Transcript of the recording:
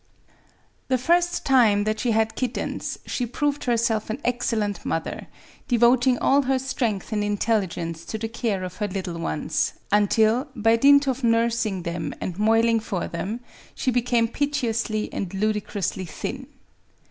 The first time that she had kittens, she proved herself an excellent mother, — devoting all her strength and intelligence to the care of her little ones, until, by dint of nursing them and moiling for them, she became piteously and ludicrously thin.